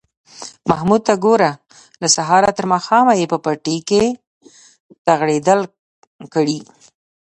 محمود ته گوره! له سهاره تر ماښامه یې په پټي کې تغړېدل کړي